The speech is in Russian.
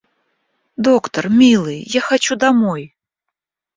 — Доктор, милый, я хочу домой.